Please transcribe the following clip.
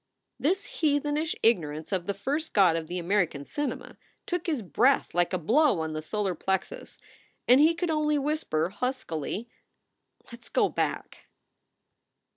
This heathenish ignorance of the first god of the American cinema, took his breath like a blow on the solar plexus and he could only whisper, huskily: "Let s go back."